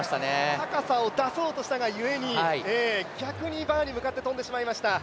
高さを出そうとしたが故に、逆にバーに向かって跳んでしまいました。